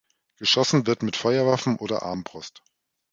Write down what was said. Geschossen wird mit Feuerwaffen oder Armbrust.